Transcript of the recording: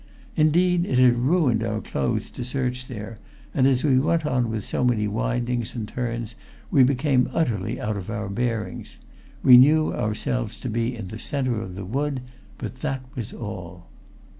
Indeed, it had ruined our clothes to search there, and as we went on with so many windings and turns we became utterly out of our bearings. We knew ourselves to be in the center of the wood, but that was all.